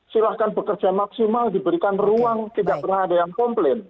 silahkan bekerja maksimal diberikan ruang tidak pernah ada yang komplain